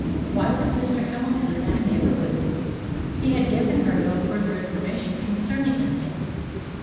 Why was Mr. Hamilton in that neighbourhood? He had given her no further information concerning himself.